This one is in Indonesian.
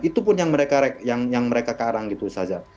itu pun yang mereka karang gitu saza